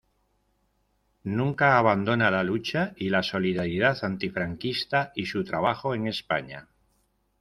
Nunca abandona la lucha y la solidaridad antifranquista y su trabajo en España.